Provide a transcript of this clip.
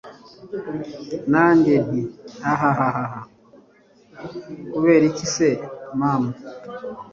nanjye nti hhhhh! kuberiki se mama!